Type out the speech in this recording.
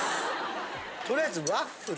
とりあえずワッフル。